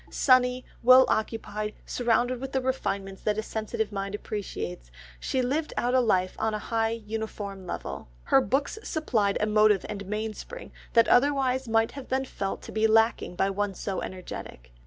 Sunny, well occupied, surrounded with the refinements that a sensitive mind appreciates, she lived out a life on a high uniform level. Her books supplied a motive and mainspring that otherwise might have been felt to be lacking by one so energetic.